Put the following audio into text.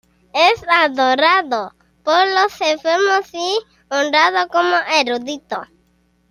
Es adorado por los enfermos y honrado como erudito.